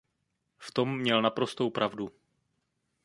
V tom měl naprostou pravdu.